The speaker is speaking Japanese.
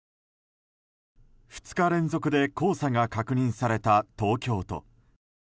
２日連続で黄砂が確認された東京都。